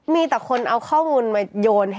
มีแต่คนเอาข้อมูลมาโยนให้